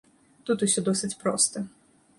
Тут усё досыць проста.